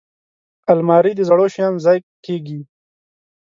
الماري د زړو شیانو ځای کېږي